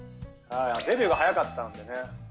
デビューが早かったんでね。